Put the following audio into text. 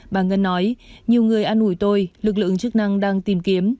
bà ngân nói nhiều người ăn ủi tôi lực lượng chức năng đang tìm kiếm